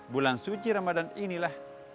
bulan suci ramadan inilah